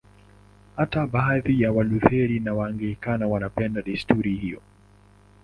Hata baadhi ya Walutheri na Waanglikana wanapenda desturi hiyo.